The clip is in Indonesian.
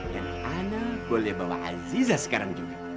dan saya bisa membawa aziza sekarang juga